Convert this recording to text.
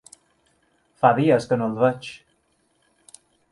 Fa dies que no el veig.